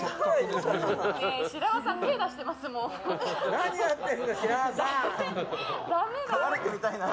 何やってんの、白輪さん！